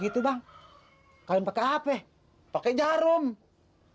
ini banditnya nih mau kasih duit